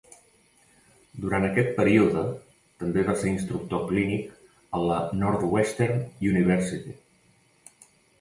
Durant aquest període, també va ser instructor clínic a la Northwestern University.